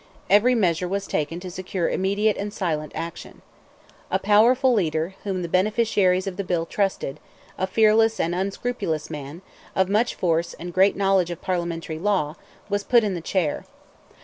Every measure was taken to secure immediate and silent action. A powerful leader, whom the beneficiaries of the bill trusted, a fearless and unscrupulous man, of much force and great knowledge of parliamentary law, was put in the chair.